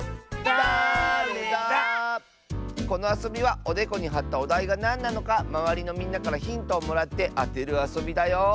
このあそびはおでこにはったおだいがなんなのかまわりのみんなからヒントをもらってあてるあそびだよ！